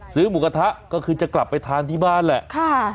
หมูกระทะก็คือจะกลับไปทานที่บ้านแหละ